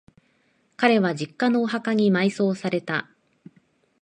彼は、実家のお墓に埋葬された。